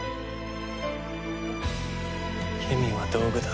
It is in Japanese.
ケミーは道具だ。